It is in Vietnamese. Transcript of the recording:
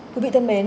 quý vị thân mến